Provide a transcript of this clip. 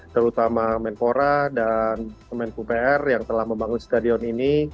terutama menpora dan kemenkupr yang telah membangun stadion ini